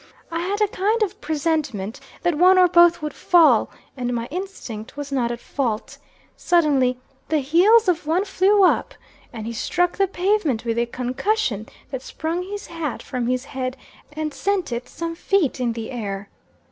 I had a kind of presentiment that one or both would fall, and my instinct was not at fault. Suddenly the heels of one flew up, and he struck the pavement with a concussion that sprung his hat from his head, and sent it some feet in the air.